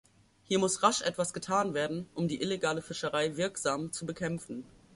Hier muss rasch etwas getan werden, um die illegale Fischerei wirksam zu bekämpfen.